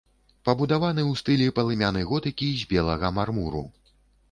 Пабудаваны ў стылі палымяны готыкі з белага мармуру.